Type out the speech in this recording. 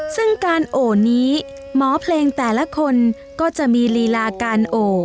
ซึ่งการโอนี้หมอเพลงแต่ละคนก็จะมีลีลาการโอ